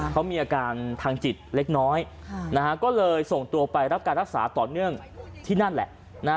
เขามีอาการทางจิตเล็กน้อยก็เลยส่งตัวไปรับการรักษาต่อเนื่องที่นั่นแหละ